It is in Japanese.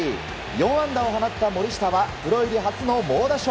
４安打を放った森下はプロ入り初の猛打賞。